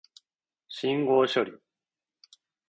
信号処理